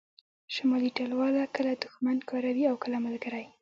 شمالي ټلواله کله دوښمن کاروي او کله ملګری